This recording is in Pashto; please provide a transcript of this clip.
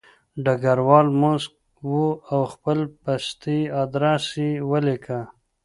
ډګروال موسک و او خپل پستي ادرس یې ولیکه